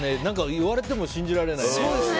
言われても信じられない。